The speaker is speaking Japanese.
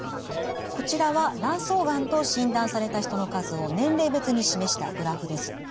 こちらは卵巣がんと診断された人の数を年齢別に示したグラフです。